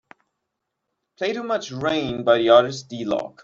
Play Too Much Rain by the artist D-loc.